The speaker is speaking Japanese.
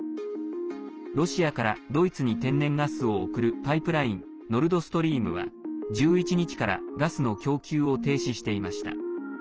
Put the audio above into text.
ロシアからドイツに天然ガスを送るパイプラインノルドストリームは、１１日からガスの供給を停止していました。